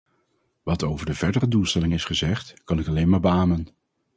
Wat over de verdere doelstellingen is gezegd, kan ik alleen maar beamen.